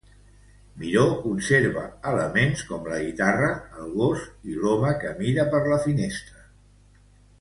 Miró conserva elements com la guitarra, el gos i l'home que mira per la finestra.